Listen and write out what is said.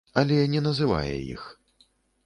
Але не называе іх.